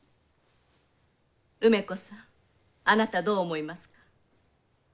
梅子さんあなたどう思いますか？